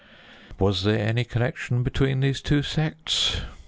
Was there any connection between these two sects?